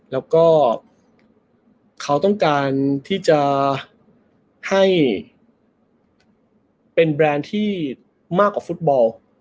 แล้วก็เขาต้องการที่จะให้เป็นแบรนด์ที่มากกว่าฟุตบอล